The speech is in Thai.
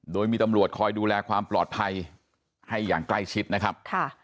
โดยมีตำรวจคอยดูแลความปลอดภัยให้อย่างใกล้ชิดนะครับ